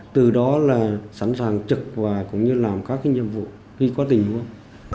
từ đó là sẵn sàng trực và cũng như làm các nhiệm vụ khi có tình huống